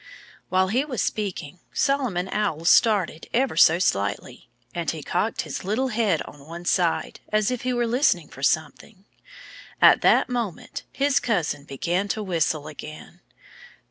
While he was speaking, Solomon Owl started ever so slightly. And he cocked his head on one side, as if he were listening for something. At that moment his cousin began to whistle again.